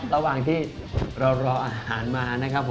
ระหว่างที่เรารออาหารมานะครับผม